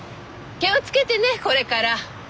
気を付けてねこれから。